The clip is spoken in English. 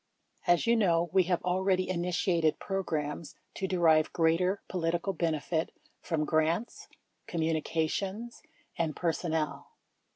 As you know, we have already initiated programs to derive greater political benefit from grants, co m mu ni cations, and personnel.